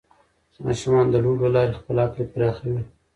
ماشومان د لوبو له لارې خپل عقل پراخوي.